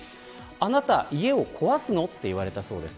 あなた家を壊すのと言われたそうです。